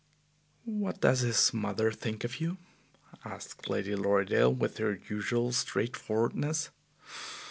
"What does his mother think of you?" asked Lady Lorridaile, with her usual straightforwardness.